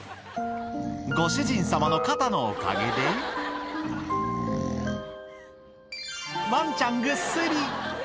ご主人様の肩のおかげで、ワンちゃんぐっすり。